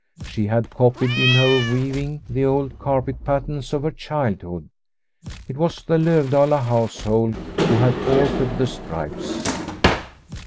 She had copied in her weaving the old carpet patterns of her childhood. It was the Lovdala house hold who had altered the stripes.